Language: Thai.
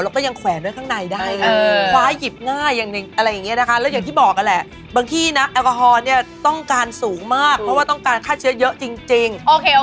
เรายังแขวนด้วยข้างในได้คือคว้าหยิบง่ายอย่างนี้นะคะและว่าที่บอกเราก็แหละบางทีเนี่ยแอลกอฮอลต์มันต้องการสูงมากเพราะว่าต้องการค่าเชื้อเยอะจริง